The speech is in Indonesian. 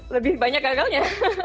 lebih banyak gagalnya